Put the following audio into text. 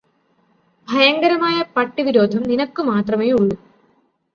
ഭയങ്കരമായ പട്ടി വിരോധം നിനക്കു മാത്രമേയുള്ളൂ.